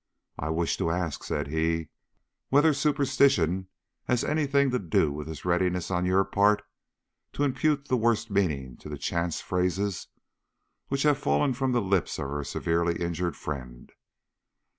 "I wish to ask," said he, "whether superstition has had any thing to do with this readiness on your part to impute the worst meaning to the chance phrases which have fallen from the lips of our severely injured friend.